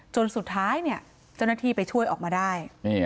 จนสุดท้ายเจ้าหน้าที่ไปช่วยออกมาได้